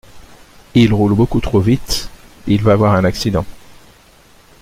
Il roule beaucoup trop vite, il va avoir un accident!